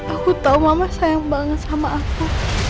aku tahu mama sayang banget sama aku